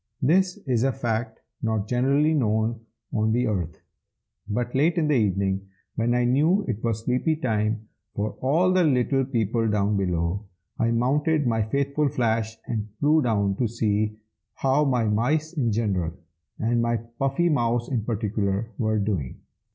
This is a fact not generally known on the earth.) But late in the evening, when I knew it was sleepy time for all the little people down below, I mounted my faithful Flash, and flew down to see how my mice in general, and my Puffy mouse in particular, were doing.